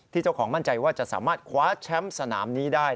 เจ้าของมั่นใจว่าจะสามารถคว้าแชมป์สนามนี้ได้